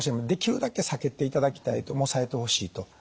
できるだけ避けていただきたいと抑えてほしいと。